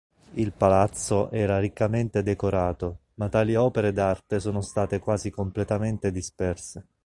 Il Palazzo era riccamente decorato, ma tali opere d'arte sono state quasi completamente disperse.